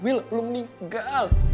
bella belum meninggal